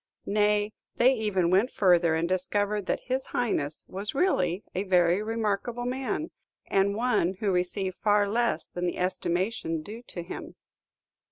Nay, they even went further, and discovered that his Highness was really a very remarkable man, and one who received far less than the estimation due to him.